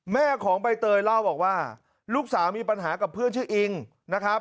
แม่ของใบเตยเล่าบอกว่าลูกสาวมีปัญหากับเพื่อนชื่ออิงนะครับ